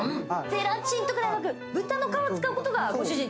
ゼラチンとかではなく豚の皮を使うことがご主人。